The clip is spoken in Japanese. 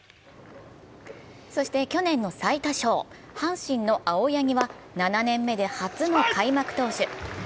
そして去年の最多勝、阪神の青柳は７年目で初の開幕投手。